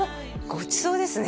ごちそうですね